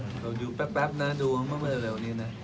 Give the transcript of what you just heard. เดี๋ยวแป๊ปดูมาเมื่อไหร่วันนี้น่ะ